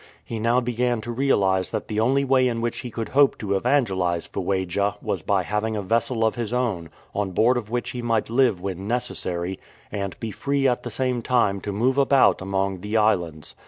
He now began to realize that the only way in which he could hope to evangelize Fuegia was by having a vessel of his own, on board of which he might live when necessary, and be free at the same time to move about among the islands.